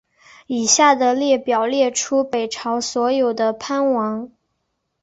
以下的列表列出北朝所有的藩王。